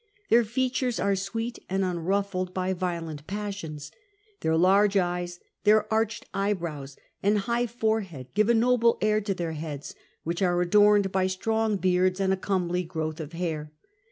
Their features are sweet and unruffled by violent passions. Their large eyes, their arched eyebrows, and high forehead give a noble air to their heads, which are adorned by strong beards and a comely growth of hair.